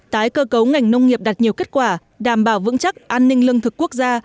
tái cơ cấu ngành nông nghiệp đạt nhiều kết quả đảm bảo vững chắc an ninh lương thực quốc gia